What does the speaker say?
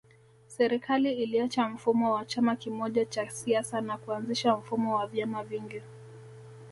Serikali iliacha mfumo wa chama kimoja cha siasa na kuanzisha mfumo wa vyama vingi